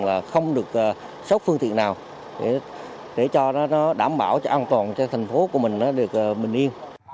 là không được sốc phương tiện nào để cho nó đảm bảo cho an toàn cho thành phố của mình nó được bình yên